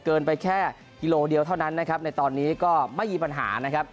เกินไปแค่กิโลเดียวเท่านั้นนะครับในตอนนี้ก็ไม่มีปัญหานะครับ